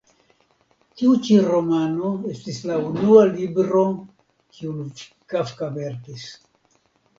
Tiu ĉi romano estis la unua libro kiun Kafka verkis.